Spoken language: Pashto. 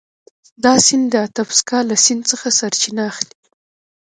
دا سیند د اتبسکا له سیند څخه سرچینه اخلي.